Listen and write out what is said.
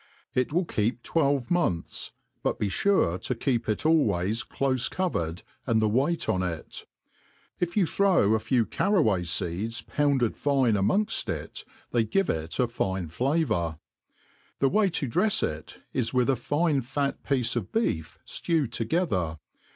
It will keep tWiFlv« months ; but be fure to keep it always clofe covered, and the weight on it; if you throw a few carraway feeds pounded fine amongft ir, they give it a fine flavour. The way la ^te{% it Is with a fine fat piece of beef ftewed together.